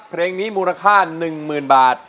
เพลงนี้มูลค่าหนึ่งหมื่นบาท